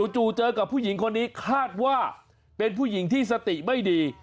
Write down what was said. จู่เจอกับผู้หญิงคนนี้คาดว่าเป็นผู้หญิงที่สติไม่ดี